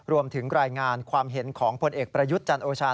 รวมถึงรายงานความเห็นของผลเอกประยุทธ์จันโอชา